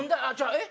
えっ？